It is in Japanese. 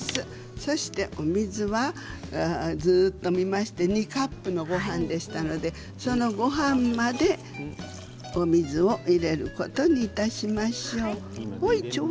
そしてお水は、ずっと見まして２カップのごはんでしたのでそのごはんまでお水を入れることにいたしましょう。